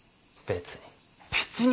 別に。